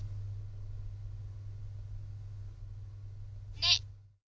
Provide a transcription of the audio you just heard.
「ね」。